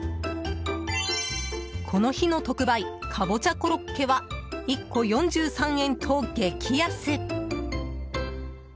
この日の特売かぼちゃコロッケは１個４３円と激安。